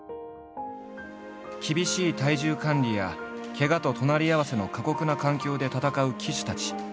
厳しい体重管理やケガと隣り合わせの過酷な環境で戦う騎手たち。